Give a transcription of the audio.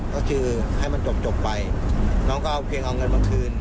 ก็คือให้มันจบไปน้องก็เอาเพียงเอาเงินมาคืน